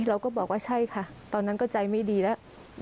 เราก็บอกว่าใช่ค่ะตอนนั้นก็ใจไม่ดีแล้ว